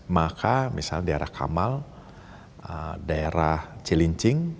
maka misalnya daerah kamal daerah cilincing